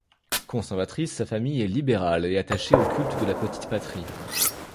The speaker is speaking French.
Conservatrice, sa famille est libérale et attachée au culte de la petite patrie.